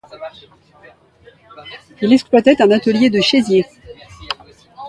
Il exploitait un atelier de chaisier.